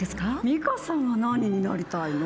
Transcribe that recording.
美香さんは何になりたいの？